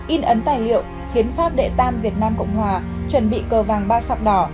in ấn tài liệu hiến pháp đệ tam việt nam cộng hòa chuẩn bị cờ vàng ba sọc đỏ